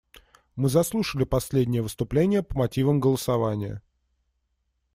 Мы заслушали последнее выступление по мотивам голосования.